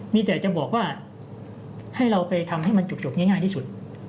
มีแต่จะบอกว่าให้เราไปทำให้มันจุดจบง่ายที่สุด